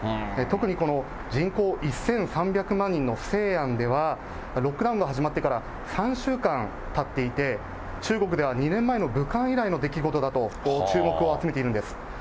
特にこの人口１３００万人の西安では、ロックダウンが始まってから、３週間たっていて、中国では２年前の武漢以来の出来事だと、注目を集めているんです。